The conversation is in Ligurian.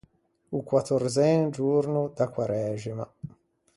O quattorzen giorno da Quaræxima.